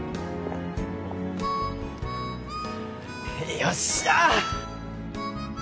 よっしゃ！